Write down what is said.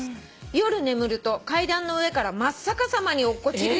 「夜眠ると階段の上から真っ逆さまに落っこちる夢を見ます」